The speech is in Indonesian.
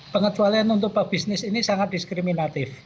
pengecualian untuk pebisnis ini sangat diskriminatif